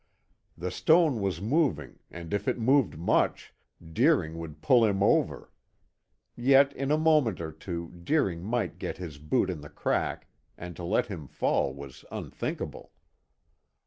The stone was moving, and if it moved much, Deering would pull him over. Yet in a moment or two Deering might get his boot in the crack, and to let him fall was unthinkable.